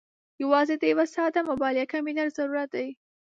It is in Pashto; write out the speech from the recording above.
یوازې د یوه ساده موبايل یا کمپیوټر ضرورت دی.